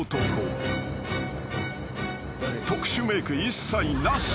［特殊メーク一切なし］